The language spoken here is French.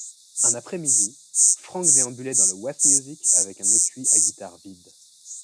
Un après-midi, Frank déambulait dans le West Music avec un étui à guitare vide.